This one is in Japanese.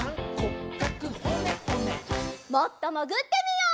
もっともぐってみよう。